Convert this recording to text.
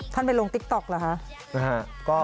ไปลงติ๊กต๊อกเหรอคะ